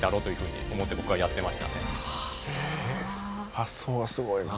発想がすごいな。